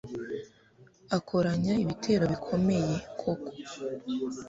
akoranya igitero gikomeye koko